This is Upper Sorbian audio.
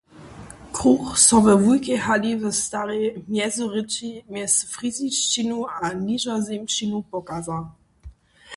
Kruch so we wulkej hali w starej "mjezyrěči" mjez frizišćinu a nižozemšćinu pokaza.